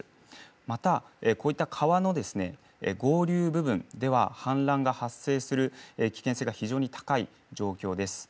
また、こういった川の合流部分では氾濫が発生する危険性が非常に高い状況です。